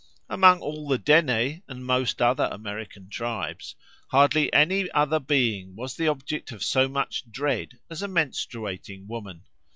"Among all the Déné and most other American tribes, hardly any other being was the object of so much dread as a menstruating woman.